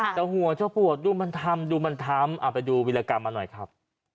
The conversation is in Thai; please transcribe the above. เจ้าหัวเจ้าปวกดูมันทำดูมันทำเอาไปดูวิรากรรมมาหน่อยครับ